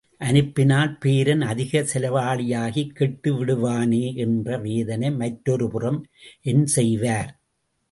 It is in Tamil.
அனுப்பினால் பேரன் அதிக செலவாளியாகிக் கெட்டுவிடுவானே என்ற வேதனை மற்றொருபுறம் என் செய்வார்!